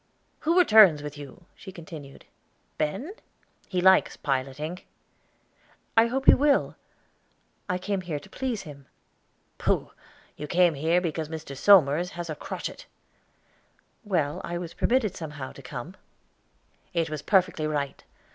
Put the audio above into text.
"Who returns with you," she continued, "Ben? He likes piloting." "I hope he will; I came here to please him." "Pooh! You came here because Mr. Somers had a crotchet." "Well; I was permitted somehow to come." "It was perfectly right.